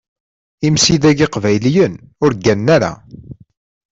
Imsidag iqbayliyen ur gganen ara.